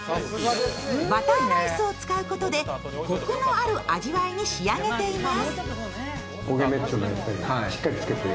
バターライスを使うことで、こくのある味わいに仕上げています。